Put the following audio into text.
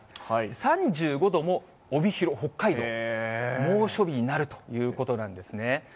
３５度も帯広、北海道、猛暑日になるということなんですね。